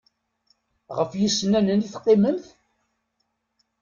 Ɣef yisennanen i teqqimemt?